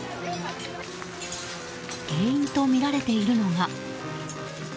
原因とみられているのが。